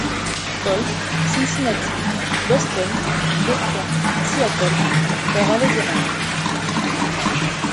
Paul, Cincinnati, Boston, Detroit, Seattle, et Raleigh-Durham.